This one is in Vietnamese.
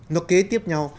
nó kế tiếp nhau